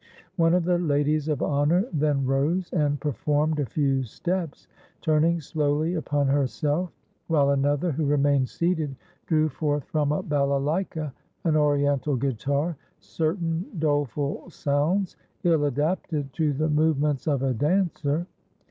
One of the ladies of honour then rose and performed a few steps, turning slowly upon herself; while another, who remained seated, drew forth from a balalaika (an Oriental guitar) certain doleful sounds, ill adapted to the movements of a dancer.